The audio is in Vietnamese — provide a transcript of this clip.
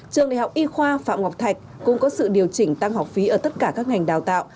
trường đại học y khoa phạm ngọc thạch cũng có sự điều chỉnh tăng học phí ở tất cả các ngành đào tạo